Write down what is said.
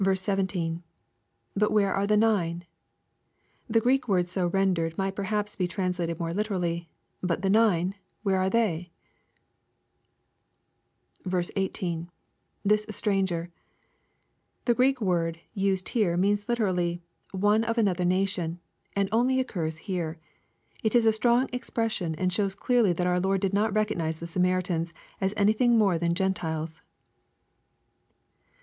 — [But where are the nine f\ The Greek words so rendered might perhaps be translated more Uterally, " But the nine, — ^where are IS. — [This stranger^ The Greek word used here means literally " one of another nation,'* and only occurs here. It is a strong expression, and shows clearly that our Lord did not recognize the Samaritans as anything more than Gentiles.